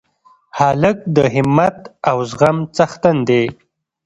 هلک د همت او زغم څښتن دی.